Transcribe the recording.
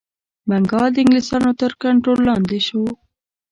بنګال د انګلیسیانو تر کنټرول لاندي شو.